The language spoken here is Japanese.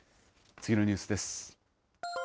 次のニュースです。